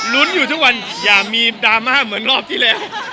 ลุ้นอยู่ทุกวันอย่ามีดราม่าเหมือนรอบที่แล้ว